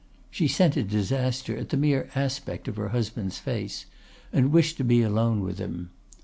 '—She scented disaster at the mere aspect of her husband's face, and wished to be alone with him.